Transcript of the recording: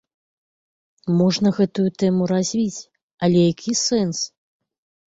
Можна гэтую тэму развіць, але які сэнс?